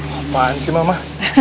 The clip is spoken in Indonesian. apaan sih mama